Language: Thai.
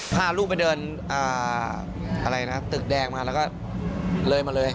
พาลูกไปเดินอะไรนะตึกแดงมาแล้วก็เลยมาเลย